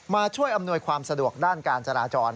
ช่วยอำนวยความสะดวกด้านการจราจร